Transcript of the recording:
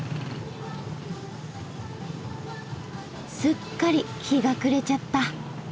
すっかり日が暮れちゃった。